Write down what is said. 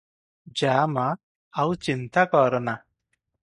ଯା ମା, ଆଉ ଚିନ୍ତା କରନା ।"